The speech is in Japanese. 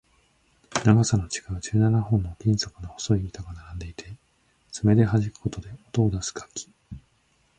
長さの違う十七本の金属の細い板が並んでいて、爪ではじくことで音を出す楽器